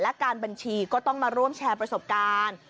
และการบัญชีก็ต้องมาร่วมแชร์ประสบการณ์